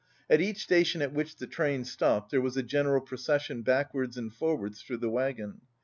At each station at which the train stopped there was a general procession backwards and forwards through the wagon.